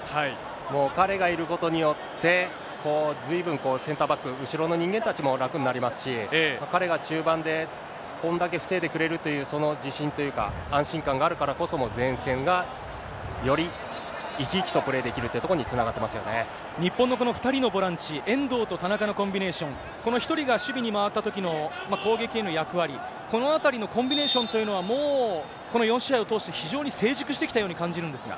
もう、彼がいることによって、ずいぶんセンターバック、後ろの人間たちも楽になりますし、彼が中盤でこんだけ防いでくれるという、その自信というか、安心感があるからこその前線がより生き生きとプレーできるという日本のこの２人のボランチ、遠藤と田中のコンビネーション、この１人が守備に回ったときの攻撃への役割、このあたりのコンビネーションというのは、もうこの４試合を通して、非常に成熟してきたように感じるんですが。